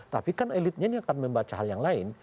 tapi kan elitnya ini akan membaca hal yang lain